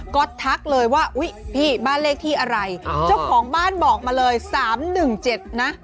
ก็ทักเลยว่าอุ๊ยพี่บ้านเลขที่อะไรเจ้าของบ้านบอกมาเลย๓๑๗นะ